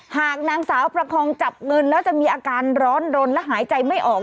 หากนางสาวประคองจับเงินแล้วจะมีอาการร้อนรนและหายใจไม่ออก